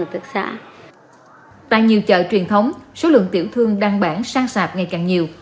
tại nhiều chợ truyền thống số lượng tiểu thương đăng bản sang sạp ngày càng nhiều